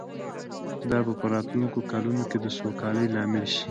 دا به په راتلونکو کلونو کې د سوکالۍ لامل شي